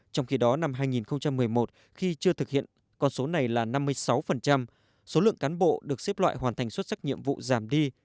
trong khi đó năm hai nghìn một mươi một khi chưa thực hiện con số này là năm mươi sáu số lượng cán bộ được xếp loại hoàn thành xuất sắc nhiệm vụ giảm đi